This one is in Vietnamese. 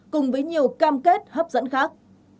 cùng với nhiều cam kết hấp dẫn khác